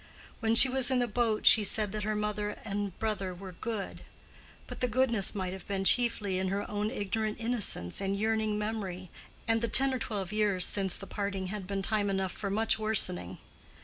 When she was in the boat she said that her mother and brother were good; but the goodness might have been chiefly in her own ignorant innocence and yearning memory, and the ten or twelve years since the parting had been time enough for much worsening.